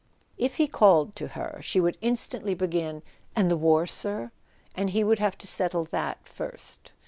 If he called to her, she would instantly begin: "And the war, sir?" And he would have to settle that first.